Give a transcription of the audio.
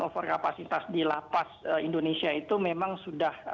overkapasitas di lapas indonesia itu memang sudah